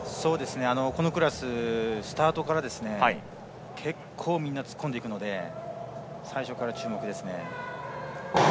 このクラス、スタートから結構、みんな突っ込んでいくので最初から注目ですね。